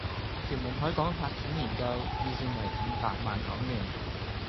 屯門海港發展研究，預算為五百萬港元